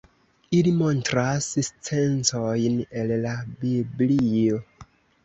Ili montras scencojn el la Biblio.